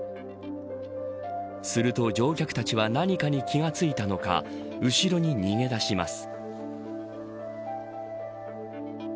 すると乗客たちは何かに気が付いたのか後ろに逃げ出します。